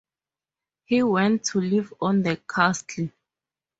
He went to live on the castle.